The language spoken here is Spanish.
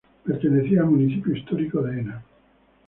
Pertenecía al municipio histórico de Ena.